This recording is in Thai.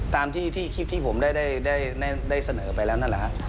ตามที่คลิปที่ผมได้เสนอไปแล้วนั่นแหละฮะ